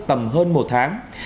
tầm hơn một tháng